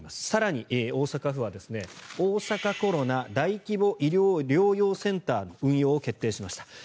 更に大阪府は大阪コロナ大規模医療・療養センターの運用を決定しました。